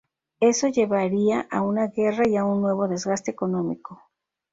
Eso llevaría a una guerra y a un nuevo desgaste económico.